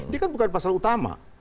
ini kan bukan pasal utama